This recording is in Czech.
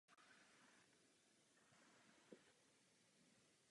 Mezi komunitami neexistuje velká solidarita.